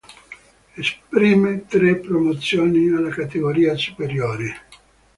Esprime tre promozioni alla categoria superiore.